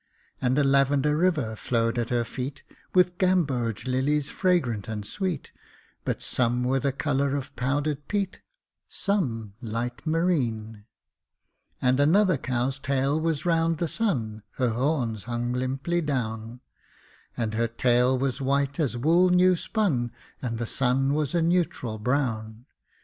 And a lavender river flowed at her feet With gamboge lilies fragrant and sweet, But some were the color of powdered peat, Some light marine. And another cow's tail was round the sun (Her horns hung limply down); And her tail was white as wool new spun, And the sun was a neutral brown.